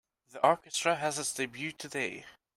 The orchestra has its debut today.